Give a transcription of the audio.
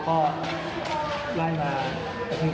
ต้องไปที่ที่ได้หลุม